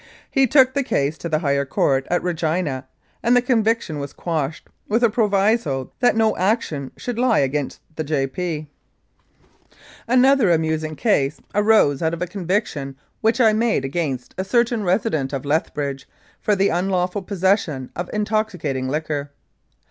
He took the case to the higher Court at Regina, and the conviction was quashed, with a proviso that no action should lie against the J.P. 282 Humours and Uncertainties of the Law Another amusing case arose out of a conviction which I made against a certain resident of Lethbridge for the unlawful possession of intoxicating liquor.